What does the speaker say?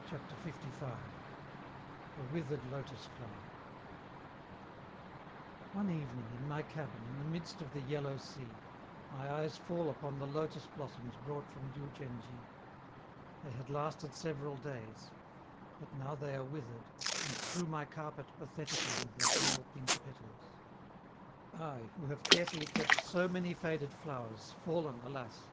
CHAPTER LV. A WITHERED LOTUS FLOWER One evening, in my cabin, in the midst of the Yellow Sea, my eyes fall upon the lotus blossoms brought from Diou djen dji; they had lasted several days; but now they are withered, and strew my carpet pathetically with their pale pink petals. I, who have carefully kept so many faded flowers, fallen, alas!